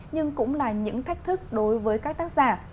nhưng cũng là những thách thức đối với các tác giả